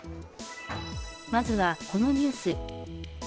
まずはこのニュース。